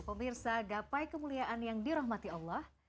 pemirsa gapai kemuliaan yang dirahmati allah